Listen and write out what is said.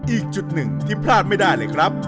อีกจุดหนึ่งที่พลาดไม่ได้เลยครับ